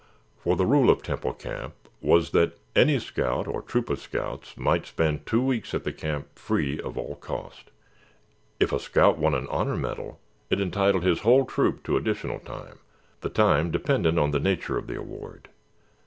For the rule of Temple Camp was that any scout or troop of scouts might spend two weeks at the camp free of all cost. If a scout won an honor medal it entitled his whole troop to additional time, the time dependent on the nature of the award.